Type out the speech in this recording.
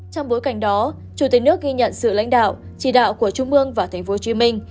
trong bối cảnh đó chủ tịch nước ghi nhận sự lãnh đạo chỉ đạo của trung mương và thành phố hồ chí minh